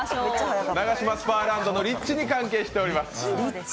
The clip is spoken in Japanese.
ナガシマスパーランドの立地に関係しております。